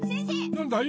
なんだい？